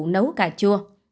nấu cà chua